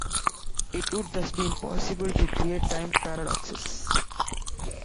It would thus be impossible to create time paradoxes.